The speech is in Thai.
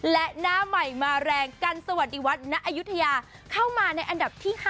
และหน้าใหม่มาแรงกันสวัสดีวัฒนอายุทยาเข้ามาในอันดับที่๕